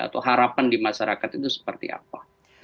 atau harapan di masyarakat itu seperti apa